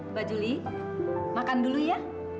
mbak juli makan dulu ya